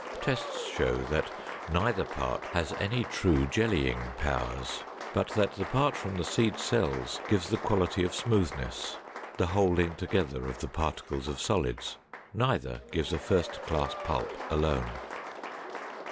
Tests show that neither part has any true jellying powers, but that the part from the seed cells gives the quality of smoothness, the holding together of the particles of solids. Neither gives a first class pulp alone.